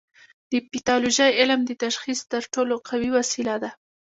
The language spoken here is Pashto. د پیتالوژي علم د تشخیص تر ټولو قوي وسیله ده.